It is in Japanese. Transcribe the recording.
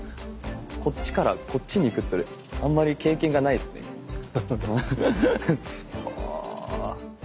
こっちからこっちに行くってあんまり経験がないですね。は。